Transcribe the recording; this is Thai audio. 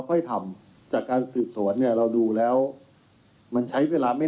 ค่อยทำจากการสืบสวนเนี่ยเราดูแล้วมันใช้เวลาไม่